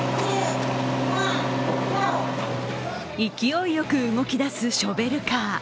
勢いよく動きだすショベルカー。